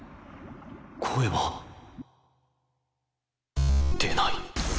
声は出ない。